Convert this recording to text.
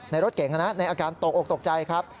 ในรถเก่งในอาการตกออกตกใจครับ